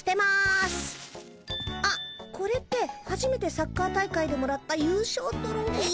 あっこれってはじめてサッカー大会でもらった優勝トロフィー。